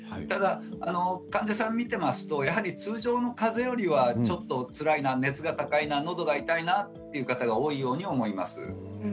ただ患者さんをみていますとやはり通常のかぜよりはちょっとつらい熱が高いな、のどが痛いなという方が多いように思います。